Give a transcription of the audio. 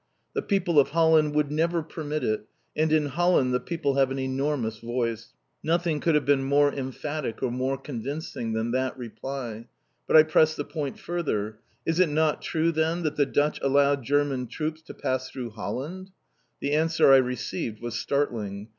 The people of Holland would never permit it, and in Holland the people have an enormous voice. Nothing could have been more emphatic or more convincing than that reply. But I pressed the point further. "Is it not true, then, that the Dutch allowed German troops to pass through Holland?" The answer I received was startling.